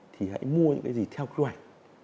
thì hãy mua những cái gì theo quy hoạch